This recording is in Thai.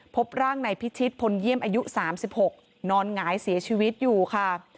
พบร่างในพิชิตพลเยี่ยมอายุ๓๖นอนหงายเสียชีวิตอยู่ค่ะ